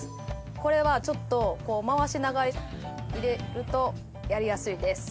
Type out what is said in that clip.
これはちょっと回しながら入れるとやりやすいです。